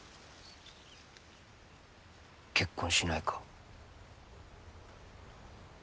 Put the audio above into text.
結婚しないか？